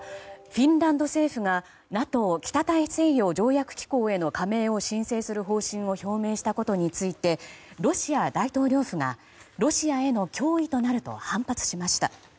フィンランド政府がＮＡＴＯ・北大西洋条約機構への加盟を申請する方針を表明したことについてロシア大統領府がロシアへの脅威となると反発しました。